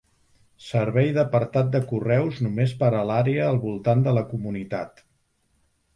Servei d'apartat de correus només per a l'àrea al voltant de la comunitat.